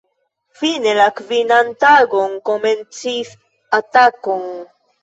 Fine la kvinan tagon komencis atakon.